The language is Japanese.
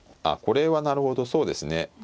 あこれはなるほどそうですね